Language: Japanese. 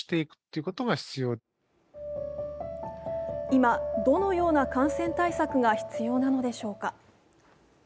今、どのような感染対策が必要なのでしょうか。